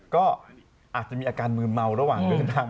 ก็อาจจะมีอาการมืนเมาระหว่างเดินทาง